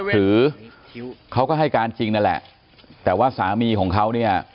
หรือเขาก็ให้การจริงนั่นแหละแต่ว่าสามีของเขาเนี่ย